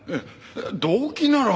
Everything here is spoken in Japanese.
動機なら。